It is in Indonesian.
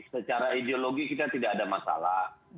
secara ideologi kita tidak ada masalah